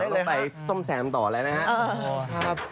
เดี๋ยวเราไปส้มแซมต่อแล้วนะครับ